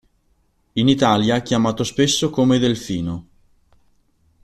In Italia chiamato spesso come delfino.